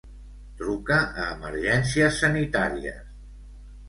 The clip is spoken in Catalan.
Truca a Emergències Sanitàries.